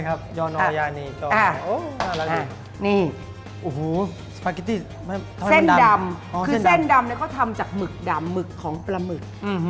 ครับยอโนยานีน่ารักเลยนี่สปาเก็ตตี้เส้นดำคือเส้นดำเนี่ยก็ทำจากหมึกดำหมึกของปลาหมึก